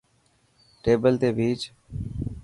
ٽيبل تي ڀيچ.